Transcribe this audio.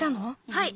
はい。